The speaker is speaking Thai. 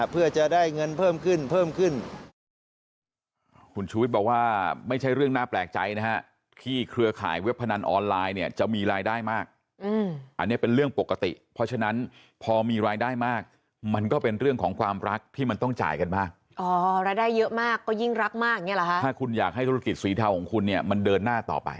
เพื่อจะได้เงินเพิ่มขึ้นเพิ่มขึ้น